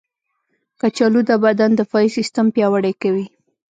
کچالو د بدن دفاعي سیستم پیاوړی کوي.